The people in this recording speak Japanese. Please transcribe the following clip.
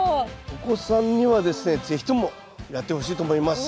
お子さんにはですね是非ともやってほしいと思います。